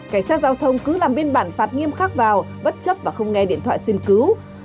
cảnh sát giao thông cứ làm biên bản phạt nghiêm khắc vào bất chấp và không nghe điện thoại xuyên cứu